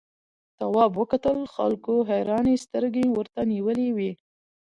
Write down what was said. تواب وکتل خلکو حیرانې سترګې ورته نیولې وې.